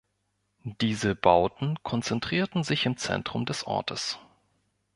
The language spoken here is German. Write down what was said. Diese Bauten konzentrierten sich im Zentrum des Ortes.